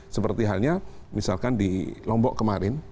seperti halnya misalkan di lombok kemarin